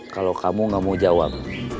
kalau kamu gak mau jawab